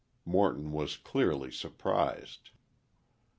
Morton was, clearly, surprised.